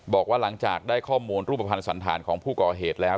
บอกว่าหลังจากได้ข้อมูลรูปภัณฑ์สันธารของผู้ก่อเหตุแล้ว